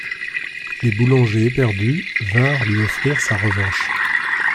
Les boulangers éperdus vinrent lui offrir sa revanche.